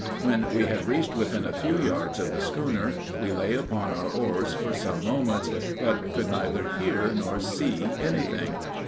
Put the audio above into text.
When we had reached within a few yards of the schooner, we lay upon our oars for some moments; but could neither hear nor see any thing.